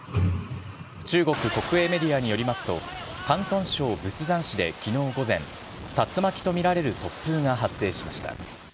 中国国営メディアによりますと、広東省仏山市できのう午前、竜巻と見られる突風が発生しました。